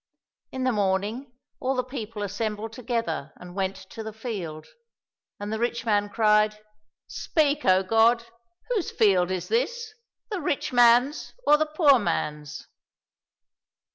In the morning all the people assembled together and went to the field, and the rich man cried, " Speak, O God ! whose field is this, the rich man's or the poor man's